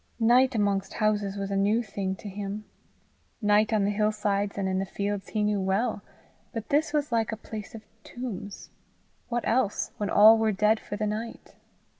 Night amongst houses was a new thing to him. Night on the hillsides and in the fields he knew well; but this was like a place of tombs what else, when all were dead for the night?